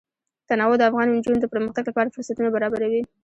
تنوع د افغان نجونو د پرمختګ لپاره فرصتونه برابروي.